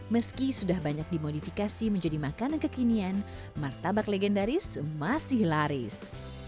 meski sudah banyak dimodifikasi menjadi makanan kekinian martabak legendaris masih laris